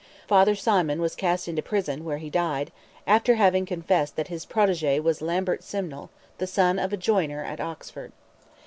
Father Symon was cast into prison, where he died, after having confessed that his protege was Lambert Simnel, the son of a joiner at Oxford.